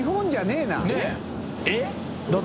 えっ？